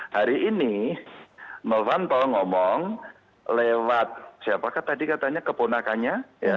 hari ini novanto ngomong lewat siapakah tadi katanya keponakannya